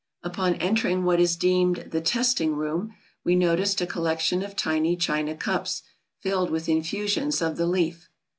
Upon entering what is deemed the "Testing Room," we noticed a collection of tiny China cups, filled with infusions of the leaf.